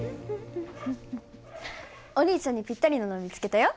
お兄ちゃんにぴったりなのを見つけたよ。